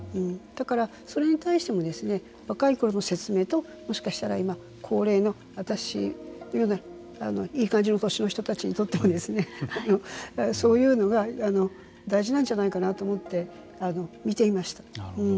だから、それに対しても若いころの説明ともしかしたら今高齢の私のようないいお年の人たちにとってもそういうのが大事なんじゃないかなと思って見ていました。